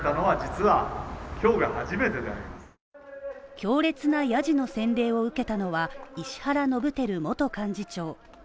強烈なヤジの洗礼を受けたのは、石原伸晃元幹事長。